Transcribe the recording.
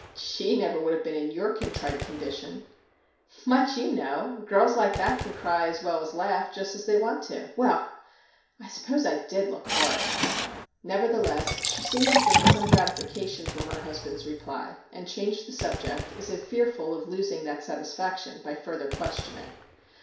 'She never would have been in your contrite condition/ 'Much you know! Girls like that can cry as well as laugh, just as they want to well ! I suppose I did look horrid/ Nevertheless she seemed to gain some gratification from her husband's reply, and changed the subject as if fearful of losing that satisfaction by further questioning.